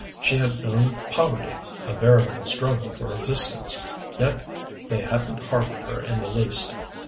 She had known poverty, a veritable struggle for existence; yet they hadn't hardened her in the least.